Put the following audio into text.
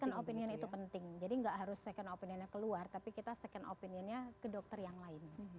second opinion itu penting jadi nggak harus second opinionnya keluar tapi kita second opinionnya ke dokter yang lain